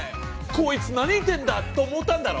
コイツ何言ってんだ？と思ったんだろ。